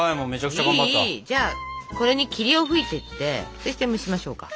じゃあこれに霧を吹いてってそして蒸しましょうか。